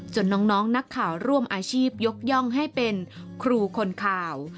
น้องนักข่าวร่วมอาชีพยกย่องให้เป็นครูคนข่าว